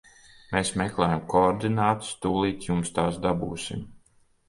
Mēs meklējam koordinātas, tūlīt jums tās dabūsim.